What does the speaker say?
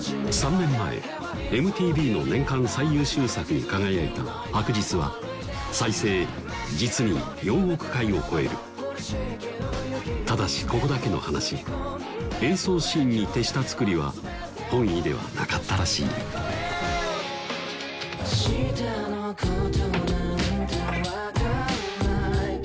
３年前ＭＴＶの年間最優秀作に輝いた「白日」は再生実に４億回を超えるただしここだけの話演奏シーンに徹した作りは本意ではなかったらしい「明日の事なんてわからないけれど」